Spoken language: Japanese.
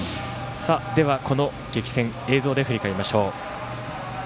では、この激戦映像で振り返りましょう。